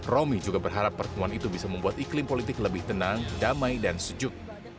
romi juga berharap pertemuan itu bisa membuat iklim politik lebih tenang damai dan sejuk